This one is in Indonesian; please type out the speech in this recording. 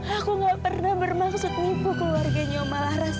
aku gak pernah bermaksud nipu keluarganya om malaras